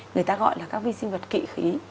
người ta gọi là các vi sinh vật kỵ khí